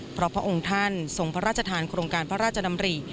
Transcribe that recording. เพราะพระองค์ท่านทรงพระราชทานโครงการพระราชดำริ